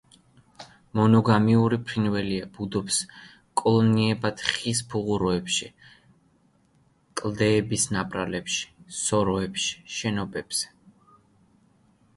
მონოგამიური ფრინველია, ბუდობს კოლონიებად ხის ფუღუროებში, კლდეების ნაპრალებში, სოროებში, შენობებზე.